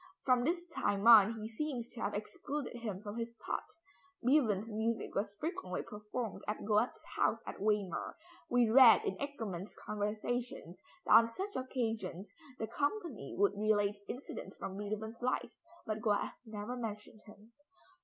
From this time on, he seems to have excluded him from his thoughts. Beethoven's music was frequently performed at Goethe's house at Weimar. We read in "Eckermann's Conversations" that on such occasions the company would relate incidents from Beethoven's life, but Goethe never mentioned him.